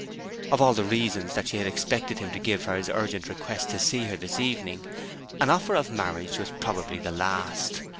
Of all the reasons that she had expected him to give for his urgent request to see her this evening, an offer of marriage was probably the last.